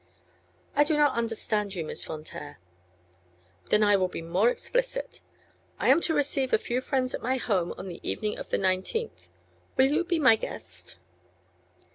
"I do not understand you, Miss Von Taer." "Then I will be more explicit. I am to receive a few friends at my home on the evening of the nineteenth; will you be my guest?"